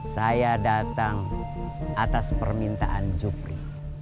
saya datang atas permintaan jupri